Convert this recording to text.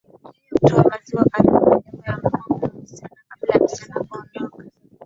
Yeye hutoa maziwa karibu na nyumba ya mama wa msichana Kabla ya msichana kuondoka